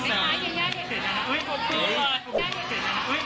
แซ่บมากสำหรับพี่แซ่บ